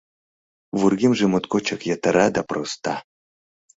Вургемже моткочак йытыра да проста.